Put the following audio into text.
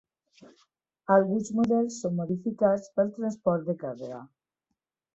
Alguns models són modificats pel transport de càrrega.